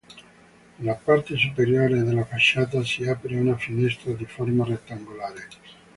Nella parte superiore della facciata si apre una finestra di forma rettangolare.